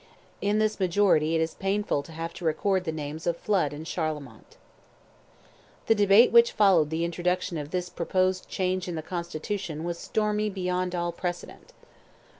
In this majority it is painful to have to record the names of Flood and Charlemont. The debate which followed the introduction of this proposed change in the constitution was stormy beyond all precedent.